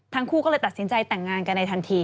ทั้งคู่ก็เลยตัดสินใจแต่งงานกันในทันที